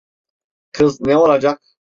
Kız ne olacak?